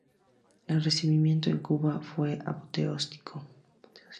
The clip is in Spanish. El recibimiento en Cuba fue apoteósico.